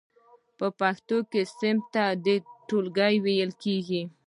په پښتو کې صنف ته ټولګی ویل کیږی.